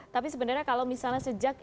tapi sebenarnya kalau misalnya sejak